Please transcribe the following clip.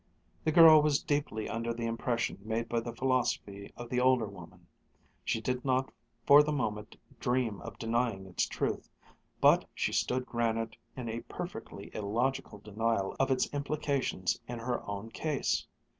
The girl was deeply under the impression made by the philosophy of the older woman; she did not for the moment dream of denying its truth; but she stood granite in a perfectly illogical denial of its implications in her own case.